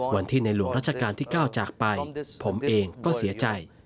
ในหลวงราชการที่๙จากไปผมเองก็เสียใจ